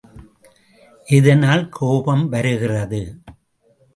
எதனால் கோபம் வருகிறது?